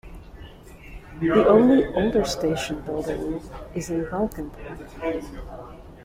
The only older station building is in Valkenburg.